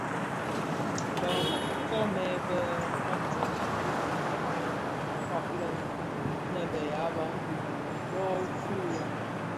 Bë nkoomèn bèn Monzèn mëkuu mekuu mō kpakpag la nnë be ya bantu (Bafia) bö fuugha,